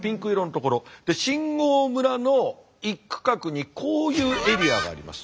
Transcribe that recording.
新郷村の一区画にこういうエリアがあります。